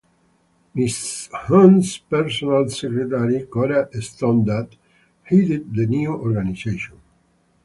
Mrs. Hunt's personal secretary, Cora Stoddard, headed the new organization.